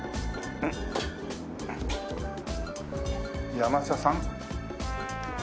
山佐さん？